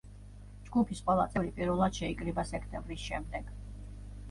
ჯგუფის ყველა წევრი პირველად შეიკრიბა სექტემბრის შემდეგ.